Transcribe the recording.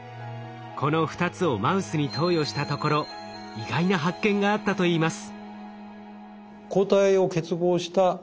この２つをマウスに投与したところ意外な発見があったといいます。